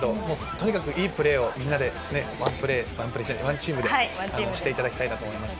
とにかくいいプレーをみんなで、ワンチームでしていただきたいと思います。